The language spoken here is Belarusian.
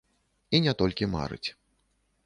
І не толькі марыць.